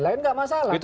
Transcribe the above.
lain nggak masalah